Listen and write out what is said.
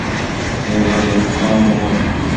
Windows রেজিস্ট্রিতে এসব tool থাকে।